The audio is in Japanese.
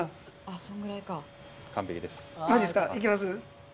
いけます？